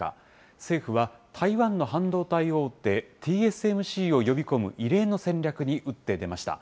政府は台湾の半導体大手、ＴＳＭＣを呼び込む異例の戦略に打って出ました。